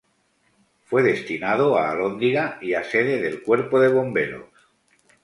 Fue destinado a alhóndiga y a sede del Cuerpo de Bomberos.